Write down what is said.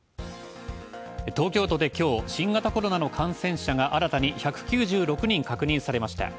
東京都で今日、新型コロナの感染者が新たに１９６人確認されました。